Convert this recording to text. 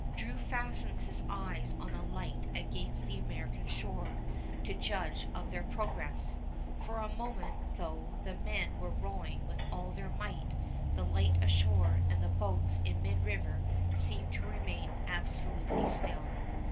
Drew fastens his eyes on a light against the American shore to judge of their progress. For a moment, though the men were rowing with all their might, the light ashore and the boats in mid river seemed to remain absolutely still.